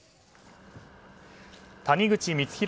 谷口光弘